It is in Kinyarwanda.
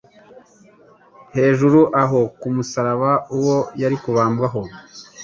Hejuru aho ku musaraba, uwo yari kubambwaho